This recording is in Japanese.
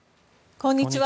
こんにちは。